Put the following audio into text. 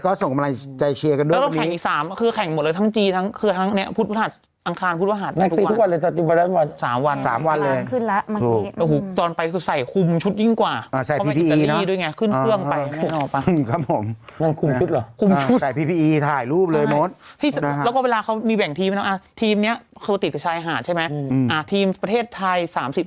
ก็ต้องช่วยรุ่นน้องเพราะเอาไม่มีใครไปแข่งแล้วทำงานในประเทศไทย